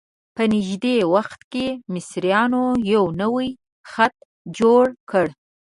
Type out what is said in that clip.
په نږدې وخت کې مصریانو یو نوی خط جوړ کړ.